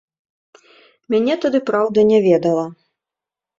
Мяне тады, праўда, не ведала.